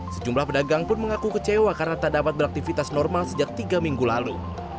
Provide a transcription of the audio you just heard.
sejumlah pedagang pun mengaku kecewa karena tak dapat beraktivitas normal sejak tiga minggu lalu